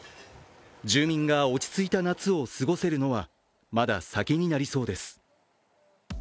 住民が落ち着いた夏を過ごせるのはまだ先になりそうです。